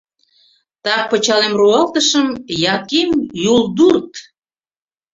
Так пычалем руалтышым — Яким юлдурт!